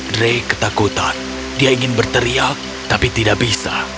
dray ketakutan dia ingin berteriak tapi tidak bisa